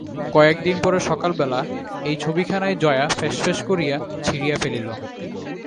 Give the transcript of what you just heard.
কয়েকদিন পরে সকালবেলা এই ছবিখানাই জয়া ফ্যাসফ্যাস করিয়া ছিঁড়িয়া ফেলিল।